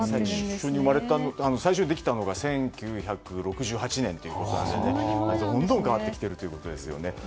最初にできたのが１９６８年ということなのでどんどん変わってきているということですね。